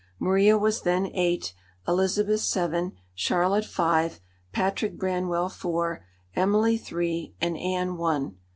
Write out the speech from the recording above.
Maria was then eight; Elizabeth, seven; Charlotte, five; Patrick Branwell, four; Emily, three; and Anne, one.